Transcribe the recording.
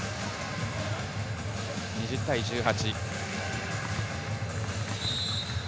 ２０対１８。